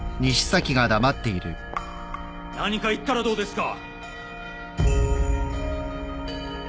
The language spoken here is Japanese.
何か言ったらどうですか。